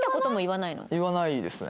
言わないですね。